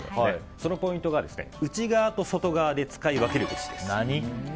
そのポイントが内側と外側で使い分けるべしです。